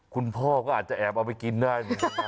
คุณพ่อก็อาจจะแอบเอาไปกินได้